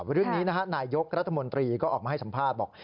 เรื่องนี้นะฮะนายยกรัฐมนตรีก็ออกมาให้สัมภาษณ์บอก